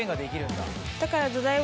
だから。